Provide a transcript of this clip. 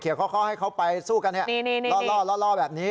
เขียวเขาให้เขาไปสู้กันเนี่ยล่อแบบนี้